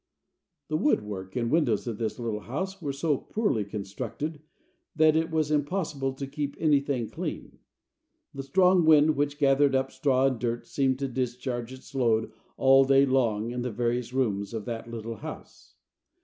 The woodwork and windows of this little house were so poorly constructed that it was impossible to keep anything clean. The strong wind, which gathered up straw and dirt, seemed to discharge its load all day long in the various rooms of that little house.